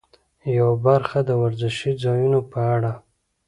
یوه برخه د وزرشي ځایونو په اړه.